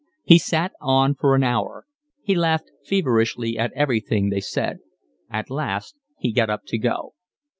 He sat on for an hour. He laughed feverishly at everything they said. At last he got up to go.